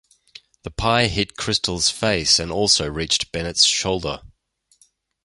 The pie hit Kristol's face and also reached Bennett's shoulder.